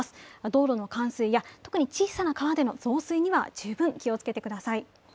道路の冠水や特に小さな川での増水には十分気をつけてください。